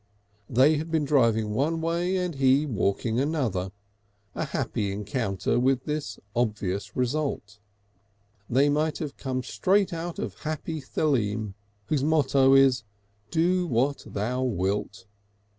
They had been driving one way and he walking another a happy encounter with this obvious result. They might have come straight out of happy Theleme, whose motto is: "Do what thou wilt."